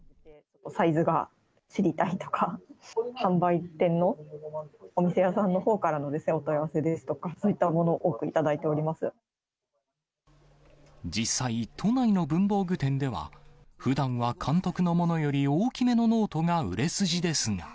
サイズが知りたいとか、販売店のお店屋さんのほうからのお問い合わせですとか、そういっ実際、都内の文房具店では、ふだんは監督のものより大きめのノートが売れ筋ですが。